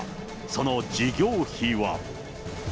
その事業費は。